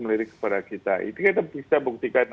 melirik kepada kita itu kita bisa buktikan